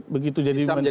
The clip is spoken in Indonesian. begitu jadi menteri mundur